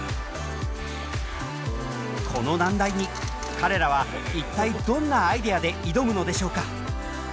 この難題に彼らは一体どんなアイデアで挑むのでしょうか？